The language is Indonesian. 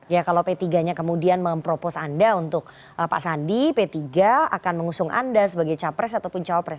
ya kalau p tiga nya kemudian mempropos anda untuk pak sandi p tiga akan mengusung anda sebagai capres ataupun cawapres